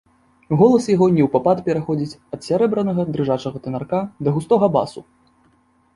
Голас яго неўпапад пераходзіць ад сярэбранага дрыжачага тэнарка да густога басу.